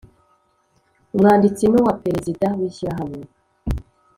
umwanditsi n uwa Perezida w Ishyirahamwe